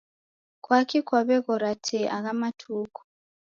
Kwaki kwaweghora te agha matuku?